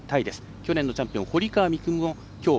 去年のチャンピオン堀川未来